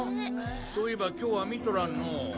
そういえば今日は見とらんのぉ。